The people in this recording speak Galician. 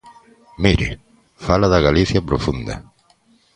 Mire, fala da Galicia profunda.